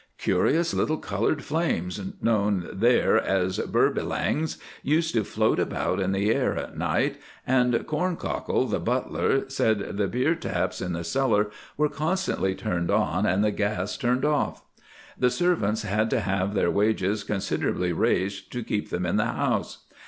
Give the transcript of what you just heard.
Curious little coloured flames known there as "Burbilangs" used to float about in the air at night, and Corncockle, the butler, said the beer taps in the cellar were constantly turned on and the gas turned off. The servants had to have their wages considerably raised to keep them in the house.